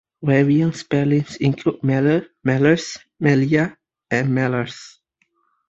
Variant spellings include Meller, Mellers, Melliar and Mellors.